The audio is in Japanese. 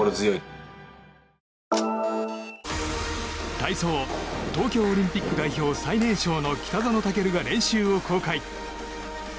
体操、東京オリンピック代表最年少の北園丈琉が練習を公開。